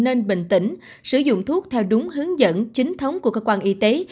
nên bình tĩnh sử dụng thuốc theo đúng hướng dẫn chính thống của cơ quan y tế